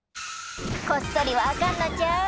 こっそりはあかんのちゃう？